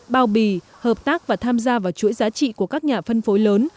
bao bì hợp tác và tham gia vào chuỗi giá trị của các nhà phân phối lớn